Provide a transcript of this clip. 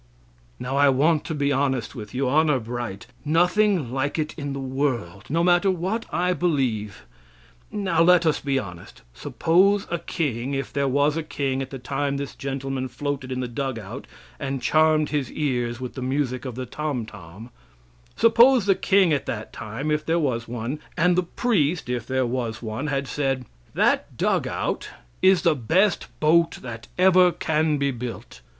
Now I want to be honest with you. Honor bright! Nothing like it in the world! No matter what I believe. Now, let us be honest. Suppose a king, if there was a king at the time this gentleman floated in the dugout and charmed his ears with the music of the tomtom; suppose the king at that time, if there was one, and the priest, if there was one, had said: "That dug out is the best boat that ever can be built.